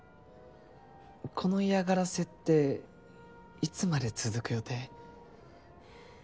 この嫌がらせっていつまで続く予定？